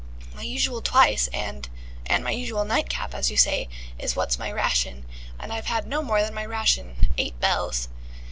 My usual twice and and my usual night cap, as you say, is what's my ration, and I've had no more than my ration. Eight Bells."